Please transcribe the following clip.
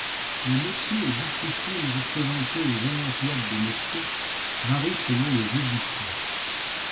Les métiers et disciplines représentés aux Olympiades des métiers varient selon les éditions.